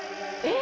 え？